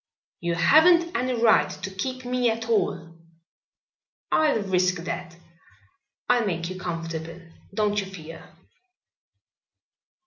"You haven't any right to keep me at all." "I'll risk that. I'll make you comfortable, don't you fear."